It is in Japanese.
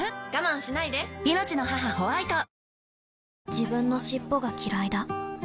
自分の尻尾がきらいだ